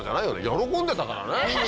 喜んでたからね。